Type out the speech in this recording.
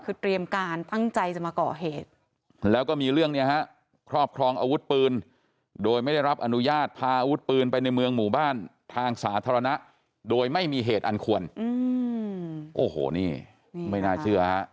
คือเตรียมการตั้งใจจะมาก่อเหตุแล้วก็มีเรื่องเนี่ยฮะครอบครองอาวุธปืนโดยไม่ได้รับอนุญาตพาอาวุธปืนไปในเมืองหมู่บ้านทางสาธารณะโดยไม่มีเหตุอันควรโอ้โหนี่ไม่น่าเชื่อฮะ